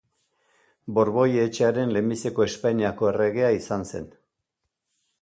Borboi etxearen lehenbiziko Espainiako erregea izan zen.